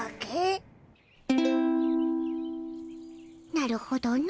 なるほどの。